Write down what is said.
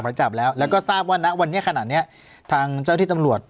หมายจับแล้วแล้วก็ทราบว่าณวันนี้ขณะเนี้ยทางเจ้าที่ตำรวจ